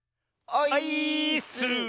オイーッス！